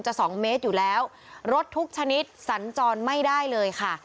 สองเมตรอยู่แล้วรถทุกชนิดสัญจรไม่ได้เลยค่ะ